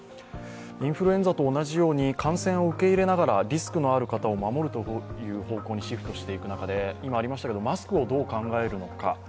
インフルエンザと同じように感染を受け入れながらリスクのある方を守るという方向にシフトしていく中で、マスクをどう考えるのか。